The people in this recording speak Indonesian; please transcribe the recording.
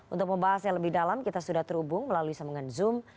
untuk membahas yang lebih dalam kita sudah terhubung melalui sambungan zoom